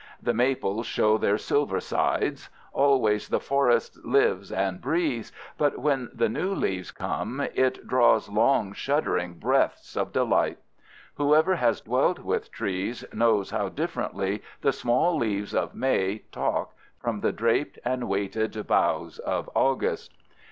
The maples show their silver sides. Always the forest lives and breathes, but when the new leaves come it draws long, shuddering breaths of delight. Whoever has dwelt with trees knows how differently the small leaves of May talk from the draped and weighted boughs of August.